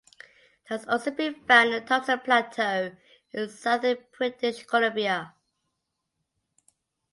It has also been found in Thompson Plateau in southern British Columbia.